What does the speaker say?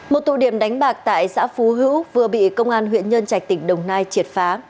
một tụ điểm đánh bạc tại xã phú hữu vừa bị công an huyện nhân trạch tỉnh đồng nai triệt phá